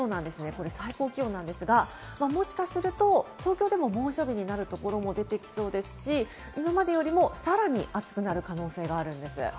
これ最高気温なんですが、もしかすると東京でも猛暑日になるところも出てきそうですし、今までよりもさらに暑くなる可能性があるんです。